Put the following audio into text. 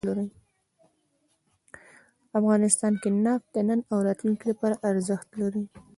افغانستان کې نفت د نن او راتلونکي لپاره ارزښت لري.